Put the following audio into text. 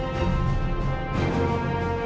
ตอนต่อไป